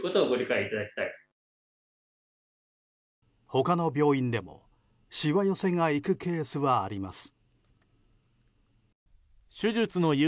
他の病院でもしわ寄せが行くケースはあります。